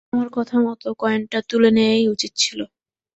তোমার কথামতো কয়েনটা তুলে নেয়াই উচিৎ ছিল।